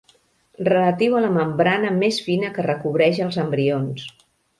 Relatiu a la membrana més fina que recobreix els embrions.